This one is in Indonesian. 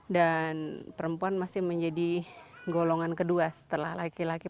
dan perempuan masih menjadi golongan kedua setelah laki laki